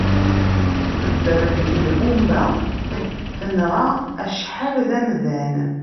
Tebberbek lbumba, tenɣa acḥal d amdan